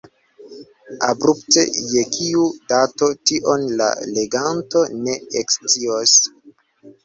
Abrupte je kiu dato, tion la leganto ne ekscios.